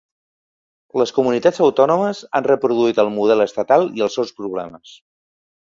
Les comunitats autònomes han reproduït el model estatal i els seus problemes.